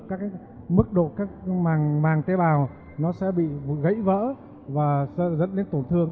các mức độ các màng màng tế bào nó sẽ bị gãy vỡ và sẽ dẫn đến tổn thương